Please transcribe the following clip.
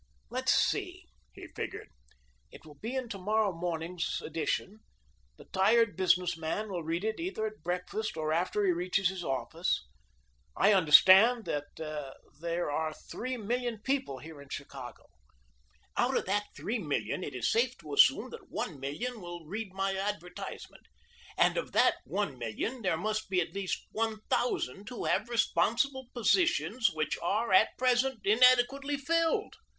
"Let's see," he figured; "it will be in tomorrow morning's edition. The tired business man will read it either at breakfast or after he reaches his office. I understand that there are three million people here in Chicago. Out of that three million it is safe to assume that one million will read my advertisement, and of that one million there must be at least one thousand who have responsible positions which are, at present, inadequately filled.